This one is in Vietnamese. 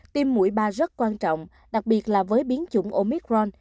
tiêm mũi ba rất quan trọng đặc biệt là với biến chủng omicron